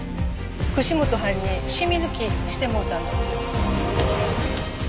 串本はんにシミ抜きしてもろたんどす。